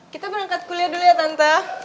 kita berangkat kuliah dulu ya tanta